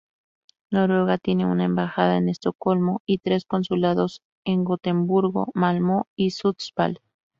Noruega tiene una embajada en Estocolmo y tres consulados, en Gotemburgo, Malmö y Sundsvall.